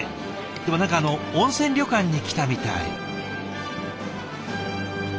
でも何かあの温泉旅館に来たみたい。